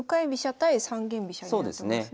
対三間飛車になってますね。